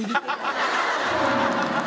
ハハハハ！